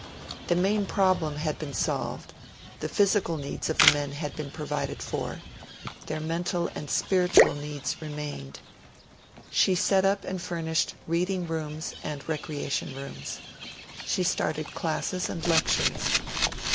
The main problem had been solved the physical needs of the men had been provided for; their mental and spiritual needs remained. She set up and furnished reading rooms and recreation rooms. She started classes and lectures.